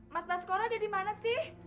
mas baskoro ada dimana sih